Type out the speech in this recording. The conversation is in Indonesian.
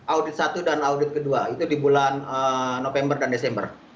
audit satu dan audit kedua itu di bulan november dan desember